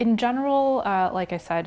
mengimplementasikan ai di bidang medis